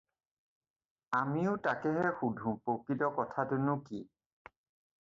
আমিও তাকেহে সোধোঁ-প্ৰকৃত কথাটোনো কি?